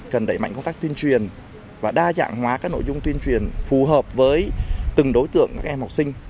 cần đẩy mạnh công tác tuyên truyền và đa dạng hóa các nội dung tuyên truyền phù hợp với từng đối tượng các em học sinh